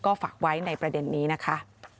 ก็ฝากไว้ในประเด็นนี้นะคะ